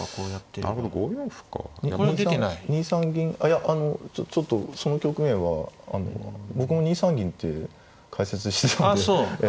いやあのちょっとその局面は僕も２三銀って解説してたんで。